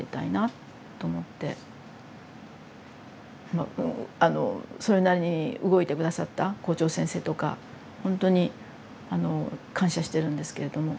まああのそれなりに動いて下さった校長先生とかほんとにあの感謝してるんですけれども。